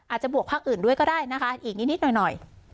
อาจจะบวกพักอื่นด้วยก็ได้นะคะอีกนิดนิดหน่อยหน่อย